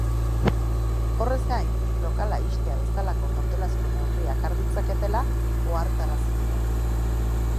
Horrez gain, lokala ixtea bezalako kautelazko neurriak har ditzaketela ohartarazi dio.